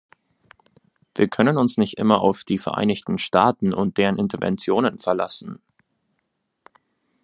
Wir können uns nicht immer auf die Vereinigten Staaten und deren Interventionen verlassen.